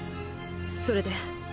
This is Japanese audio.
それで？